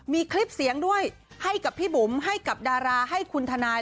มีคลิปเสียงด้วยให้กับพี่บุ๋มให้กับดาราให้คุณทนาย